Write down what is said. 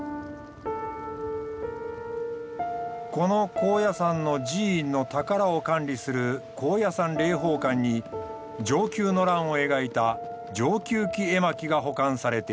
この高野山の寺院の宝を管理する高野山霊宝館に承久の乱を描いた「承久記絵巻」が保管されている。